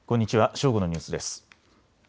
正午のニュースです。